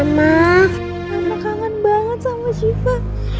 mama kangen banget sama syifa